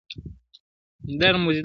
• جلا لا به را ژوندۍ کي -